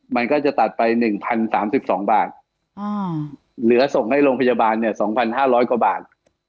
มันก็จะตัดไป๑๐๓๒บาทเหลือส่งให้โรงพยาบาลเนี่ย๒๕๐๐กว่าบาท